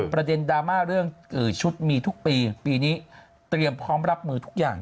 ประเด็นดราม่าเรื่องชุดมีทุกปีปีนี้เตรียมพร้อมรับมือทุกอย่าง